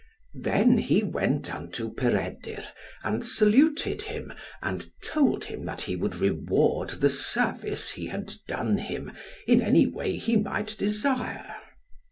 Then he went unto Peredur, and saluted him, and told him that he would reward the service he had done him, in any way he might desire.